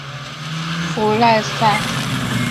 普赖萨。